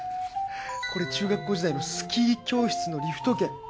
これ中学校時代のスキー教室のリフト券。